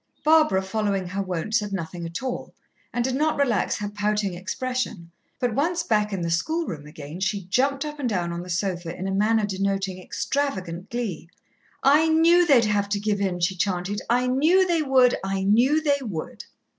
Barbara, following her wont, said nothing at all, and did not relax her pouting expression, but once back in the schoolroom again, she jumped up and down on the sofa in a manner denoting extravagant glee. "I knew they'd have to give in," she chanted. "I knew they would, I knew they would."